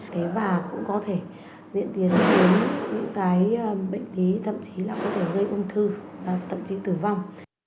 thế và cũng có thể diễn tiến tới những cái bệnh lý thậm chí là có thể gây ung thư thậm chí tử vong